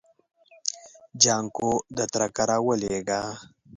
جانکو د تره کره ولېږه.